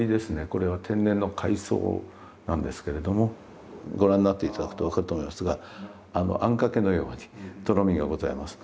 これは天然の海藻なんですけれどもご覧になって頂くと分かると思いますがあんかけのようにとろみがございます。